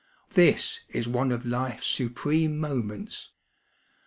This b one of hfe's supreme moments.